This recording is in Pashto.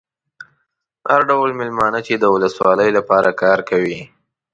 هر ډول مېلمانه چې د ولسوالۍ لپاره کار کوي.